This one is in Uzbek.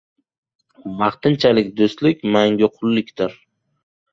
• Vaqtinchalik do‘stlik ― mangu qullikdir.